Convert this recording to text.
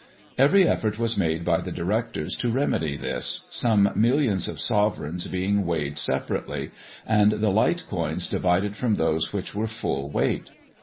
Every effort was made by the Directors to remedy this, some millions of sovereigns being weighed separately, and the light coins divided from those which were full weight.